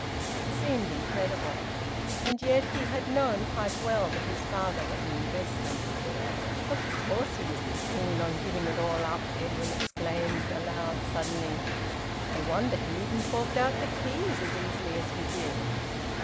It seemed incredible; and yet he had known quite well that his father was an investor! "Of course he isn't keen on giving it all up!" Edwin exclaimed aloud suddenly. "I wonder he even forked out the keys as easily as he did!"